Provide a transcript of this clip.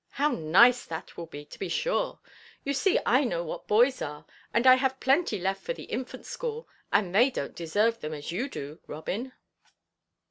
How nice that will be, to be sure! You see I know what boys are. And I have plenty left for the infant–school. And they donʼt deserve them as you do, Robin."